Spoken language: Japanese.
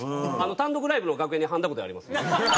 単独ライブの楽屋にはんだごてあります。